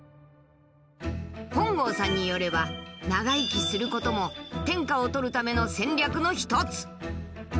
本郷さんによれば長生きすることも天下をとるための戦略の一つ。